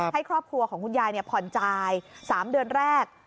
ให้ครอบครัวของคุณยายผ่อนจ่าย๓เดือนแรก